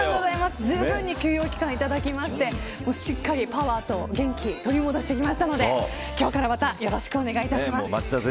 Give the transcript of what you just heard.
じゅうぶんに休養期間をいただいてしっかりパワーと元気を取り戻してきたので今日からまたよろしくお願いします。